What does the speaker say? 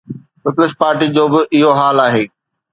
Peoples پارٽيءَ جو به اهو حال آهي.